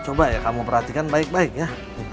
coba ya kamu perhatikan baik baik ya